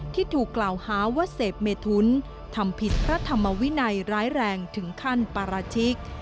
ที่ถูกกล่าวหาว่าเสพเมทุนทำผิดพระธรรมวินัยร้ายแรงถึงขั้นปราชิก